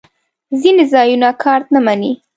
ځینې ځایونه کارت نه منی